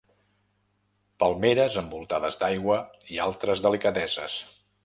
Palmeres envoltades d'aigua i altres delicadeses.